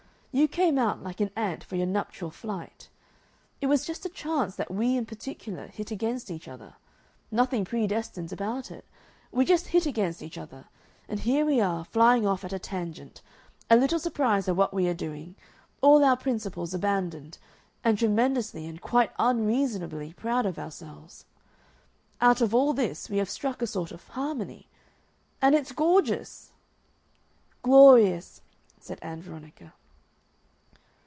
You came out like an ant for your nuptial flight. It was just a chance that we in particular hit against each other nothing predestined about it. We just hit against each other, and here we are flying off at a tangent, a little surprised at what we are doing, all our principles abandoned, and tremendously and quite unreasonably proud of ourselves. Out of all this we have struck a sort of harmony.... And it's gorgeous!" "Glorious!" said Ann Veronica.